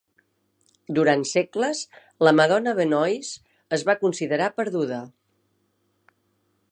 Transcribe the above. Durant segles, la "Madonna Benois" es va considerar perduda.